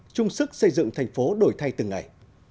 chung sức xây dựng thành phố đổi thay từng ngày